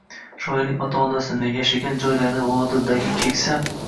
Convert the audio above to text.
Shoirning ota-bobosini, yashagan joylarini Vodildagi keksa